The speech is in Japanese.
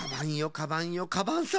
カバンよカバンさん。